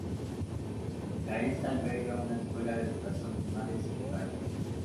La isla alberga una escuela de educación primaria y secundaria.